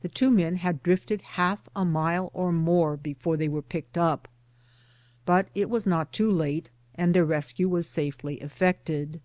The two men had drifted half a mile or more before they were picked up ; but it was not too late, and their rescue was safely effected.